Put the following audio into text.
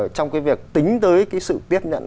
trong cái việc tính tới cái sự tiếp nhận